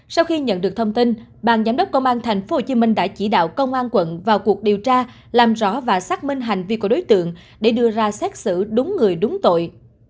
sau khi nhận được thông tin ban giám đốc công an tp hcm đã chỉ đạo công an quận vào cuộc điều tra làm rõ và xác minh hành vi của đối tượng để đưa ra xét xử đúng người đúng tội